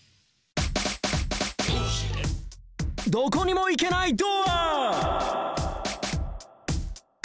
どこにも行けないドア